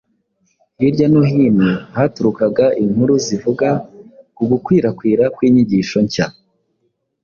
Hirya no hino haturukaga inkuru zivuga ku gukwirakwira kw’inyigisho nshya